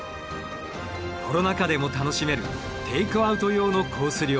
コロナ禍でも楽しめるテイクアウト用のコース